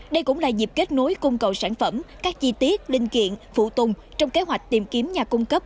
đây cũng là dịp kết nối cung cầu sản phẩm các chi tiết linh kiện phụ tùng trong kế hoạch tìm kiếm nhà cung cấp